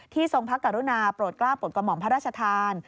ทรงพระกรุณาโปรดกล้าปลดกระหม่อมพระราชทาน